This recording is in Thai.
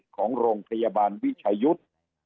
ของโรงพยาบาลวิชายุทธ์